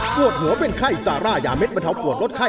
ปวดหัวเป็นไข้ซาร่ายาเด็ดบรรเทาปวดลดไข้